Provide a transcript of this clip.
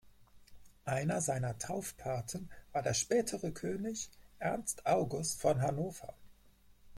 Einer seiner Taufpaten war der spätere König Ernst August von Hannover.